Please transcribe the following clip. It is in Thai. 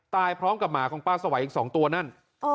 พร้อมกับหมาของป้าสวัยอีก๒ตัวนั่น